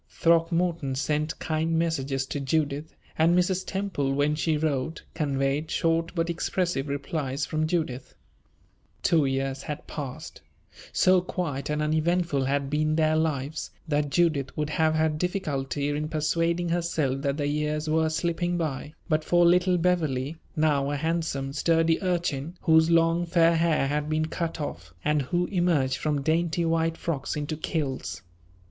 Throckmorton sent kind messages to Judith; and Mrs. Temple, when she wrote, conveyed short but expressive replies from Judith. Two years had passed. So quiet and uneventful had been their lives, that Judith would have had difficulty in persuading herself that the years were slipping by, but for little Beverley, now a handsome, sturdy urchin, whose long, fair hair had been cut off, and who emerged from dainty white frocks into kilts.